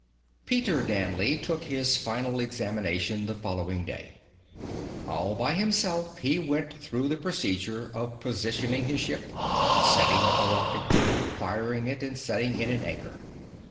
Peter Danley took his final examination the following day. All by himself, he went through the procedure of positioning his ship, setting up a rocket drill, firing it, and setting in an anchor.